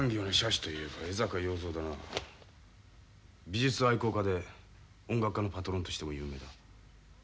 美術愛好家で音楽家のパトロンとしても有名だ。